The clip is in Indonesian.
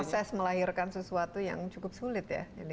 ini seperti proses melahirkan sesuatu yang cukup sulit ya